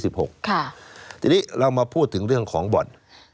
สัก๖กันครับทีนี้เรามาพูดถึงเรื่องของบอล